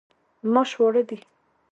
ماش واړه دي.